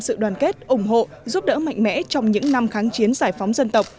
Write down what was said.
sự đoàn kết ủng hộ giúp đỡ mạnh mẽ trong những năm kháng chiến giải phóng dân tộc